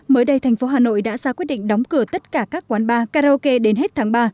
mới đây thành phố hà nội đã ra quyết định đóng cửa tất cả các quán bar karaoke đến hết tháng ba